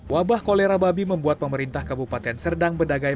wabah kolera babi membuat pemerintah kabupaten serdang bedagai